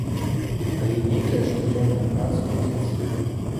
Але нейкая штодзённая праца вядзецца.